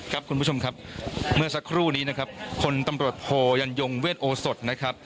ครับคุณผู้ชมครับเมื่อสักครู่นี้คนตำรวจโภยันยงเวชโอสด